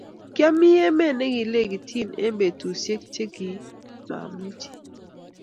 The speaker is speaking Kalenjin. Kyamite emet negilegityine eng betushiek chikchamunyi